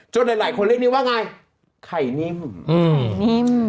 จนที่หลายคนเรียกนี้ว่าไงไข่นิ่ม